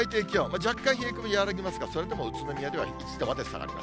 若干冷え込み和らぎますが、それでも宇都宮では１度まで下がります。